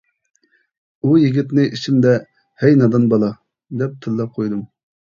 ئۇ يىگىتنى ئىچىمدە «ھەي نادان بالا» دەپ تىللاپ قويدۇم.